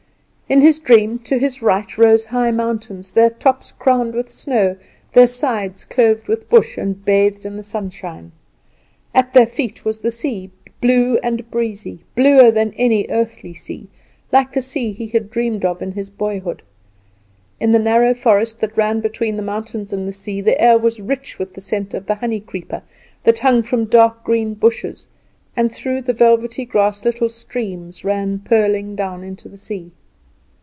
In his dream, to his right rose high mountains, their tops crowned with snow, their sides clothed with bush and bathed in the sunshine. At their feet was the sea, blue and breezy, bluer than any earthly sea, like the sea he had dreamed of in his boyhood. In the narrow forest that ran between the mountains and the sea the air was rich that the scent of the honey creeper that hung from dark green bushes, and through the velvety grass little streams ran purling down into the sea.